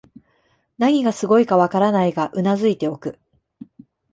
何がすごいかわからないが頷いておく